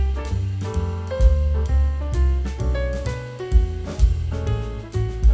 gak mau jadi kayak gini sih